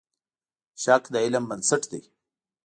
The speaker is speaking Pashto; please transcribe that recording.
شک د علم بنسټ دی.